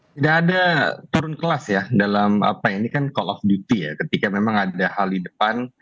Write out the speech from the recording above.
tidak ada turun kelas ya dalam apa ini kan call of duty ya ketika memang ada hal di depan